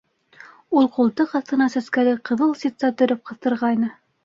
Ул ҡултыҡ аҫтына сәскәле ҡыҙыл ситса төрөп ҡыҫтырғайны.